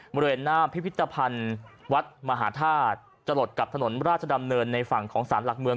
บริเวณหน้าพิพิธภัณฑ์วัดมหาธาตุจรดกับถนนราชดำเนินในฝั่งของสารหลักเมือง